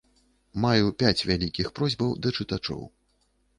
Маю пяць вялікіх просьбаў да чытачоў.